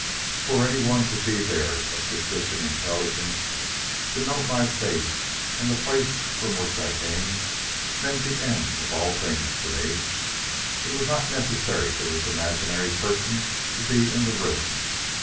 For anyone to be there of sufficient intelligence to note my face and the place from which I came meant the end of all things to me. It was not necessary for this imaginary person to be in the room.